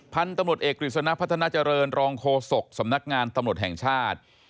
พันธุ์ตำรวจเอกกฤษณะพัฒนาเจริญรองโฆษกสำนักงานตำรวจแห่งชาติ